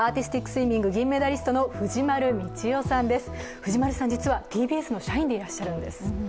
藤丸さんは実はＴＢＳの社員でいらっしゃるんです。